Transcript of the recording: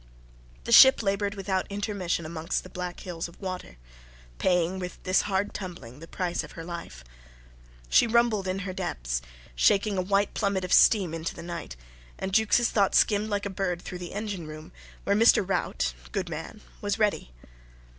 The ship laboured without intermission amongst the black hills of water, paying with this hard tumbling the price of her life. She rumbled in her depths, shaking a white plummet of steam into the night, and Jukes' thought skimmed like a bird through the engine room, where Mr. Rout good man was ready.